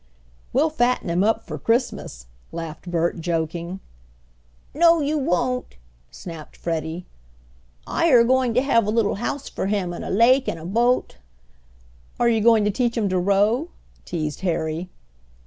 "We'll fatten him up for Christmas," laughed Bert, joking. "No, you won't!" snapped Freddie. "I are going to have a little house for him and a lake, and a boat " "Are you going to teach him to row?" teased Harry.